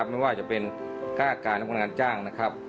ไม่ว่าจะเป็นฆ่าการและพลังงานจ้าง